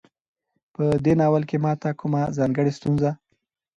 په دې ناول کې ماته کومه ځانګړۍ ستونزه